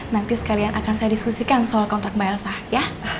nanti sekalian akan saya diskusikan soal kontrak mbak elsa ya